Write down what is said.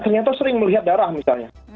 ternyata sering melihat darah misalnya